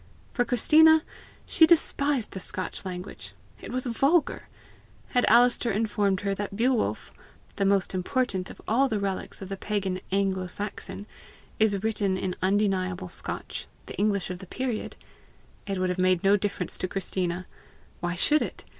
For Christina, she despised the Scotch language: it was vulgar! Had Alister informed her that Beowulf, "the most important of all the relics of the Pagan Anglo Saxon, is written in undeniable Scotch, the English of the period," it would have made no difference to Christina! Why should it?